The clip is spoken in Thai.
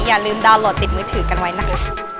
อย่าลืมดาวนโหลดติดมือถือกันไว้นะคะ